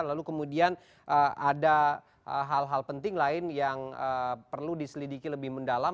lalu kemudian ada hal hal penting lain yang perlu diselidiki lebih mendalam